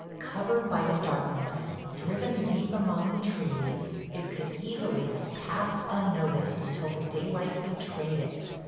Covered by the darkness, driven deep among the trees, it could easily have passed unnoticed until the daylight betrayed it.